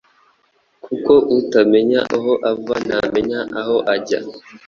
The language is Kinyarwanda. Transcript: kuko utamenya aho ava ntamenya aho ajya.”